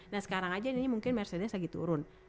nah sekarang aja ini mungkin mercedes lagi turun